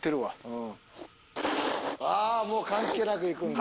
うわもう関係なくいくんだ。